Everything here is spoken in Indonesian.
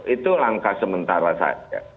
itu langkah sementara saja